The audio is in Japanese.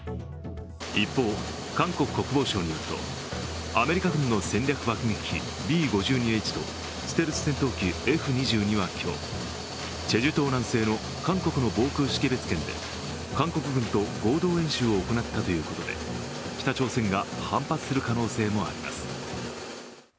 一方、韓国国防省によると、アメリカの戦略爆撃機Ｂ−５２Ｈとステルス戦闘機Ｆ−２２は今日、チェジュ島南西の韓国の防空識別圏で韓国軍と合同演習を行ったということで北朝鮮が反発する可能性もあります。